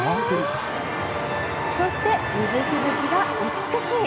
そして、水しぶきが美しい。